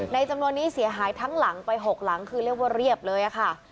จำนวนนี้เสียหายทั้งหลังไป๖หลังคือเรียกว่าเรียบเลยค่ะ